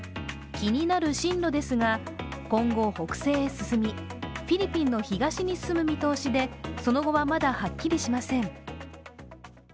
気になる進路ですが今後北西へ進み、フィリピンの東に進む見通しで、その後はまだはっきりしません。